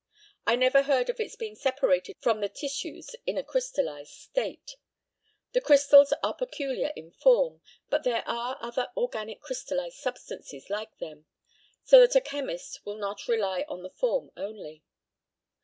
I never heard of its being separated from the tissues in a crystallised state. The crystals are peculiar in form, but there are other organic crystallised substances like them, so that a chemist will not rely on the form only.